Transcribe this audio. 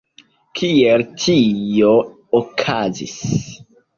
Kiel tio okazis?